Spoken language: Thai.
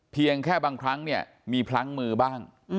เพียงแค่บางครั้งเนี่ยมีพลั้งมือบ้าง